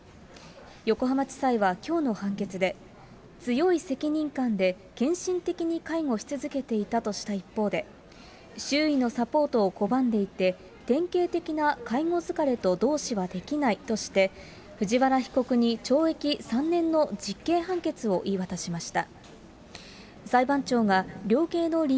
横浜地裁はきょうの判決で、強い責任感で献身的に介護し続けていたとした一方で、周囲のサポートを拒んでいて、典型的な介護疲れと同視はできないとして藤原被告に懲役３年の実刑判決を言い渡しました。